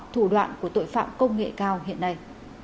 thủ đoạn của tội phạm công nghệ cao hiện nay